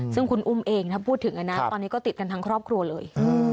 ซึ่งคุณอุ้มเองถ้าพูดถึงนะตอนนี้ก็ติดกันทั้งครอบครัวเลย